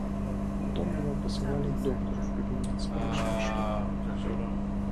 Потом его посылали к доктору в кабинет спрашивать что-то.